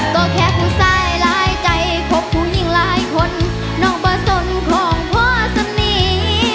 ก็แค่ผู้ใส่หลายใจคบคู่ยิ่งหลายคนน้องบ่สนของพ่อสนี